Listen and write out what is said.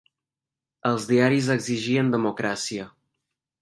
Els diaris exigien democràcia.